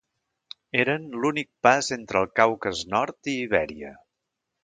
Eren l'únic pas entre el Caucas nord i Ibèria.